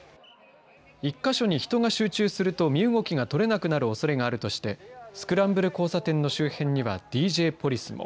１か所に人が集中すると身動きが取れなくなるおそれがあるとして、スクランブル交差点の周辺にはＤＪポリスも。